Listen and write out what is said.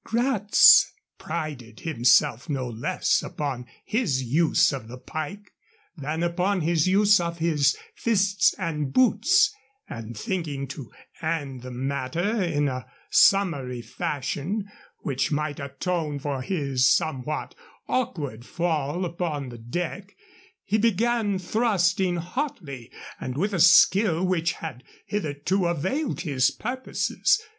Gratz prided himself no less upon his use of the pike than upon his use of his fists and boots, and, thinking to end the matter in a summary fashion, which might atone for his somewhat awkward fall upon the deck, he began thrusting hotly and with a skill which had hitherto availed his purposes.